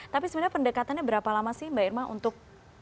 tapi sebenarnya pendekatannya berapa lama sih mbak irma untuk